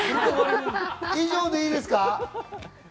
以上でいいですか？